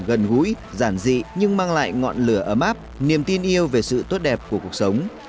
gần gũi giản dị nhưng mang lại ngọn lửa ấm áp niềm tin yêu về sự tốt đẹp của cuộc sống